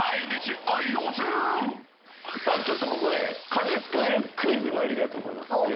さあここで家事スクールクイズ参りたいと思います。